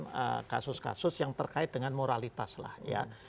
dengan kasus kasus yang terkait dengan moralitas lah ya